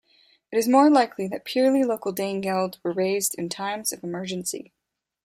It is more likely that purely local danegeld were raised in times of emergency.